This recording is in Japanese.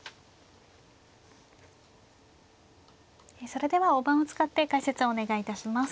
それでは大盤を使って解説をお願いいたします。